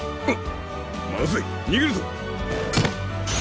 まずいにげるぞ！